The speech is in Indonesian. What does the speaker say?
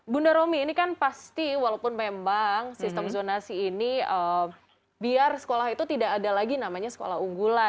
bunda romi ini kan pasti walaupun memang sistem zonasi ini biar sekolah itu tidak ada lagi namanya sekolah unggulan